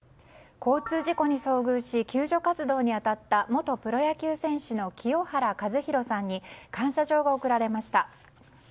交通事故に遭遇し救助活動に当たった元プロ野球選手の清原和博さんに感謝状が贈られました。